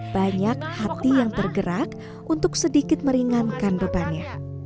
banyak hati yang tergerak untuk sedikit meringankan bebannya